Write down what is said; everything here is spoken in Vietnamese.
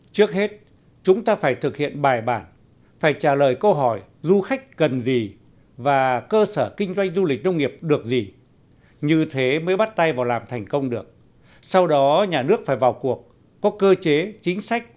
trước hết chúng ta phải thực hiện bài bản phải trả lời câu hỏi du khách cần gì và cơ sở kinh doanh du lịch nông nghiệp được gì như thế mới bắt tay vào làm thành công được